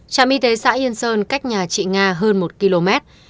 trạm y tế xã yên sơn cách nhà chị nga hơn một km